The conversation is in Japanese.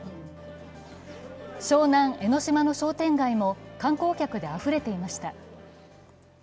湘南・江の島の商店街も観光客であふれていました。